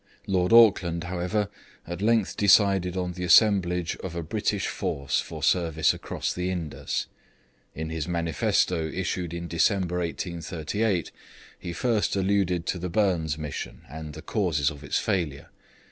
Lord Auckland, however, at length decided on the assemblage of a British force for service across the Indus. In his manifesto issued in December 1838 he first alluded to the Burnes mission, and the causes of its failure.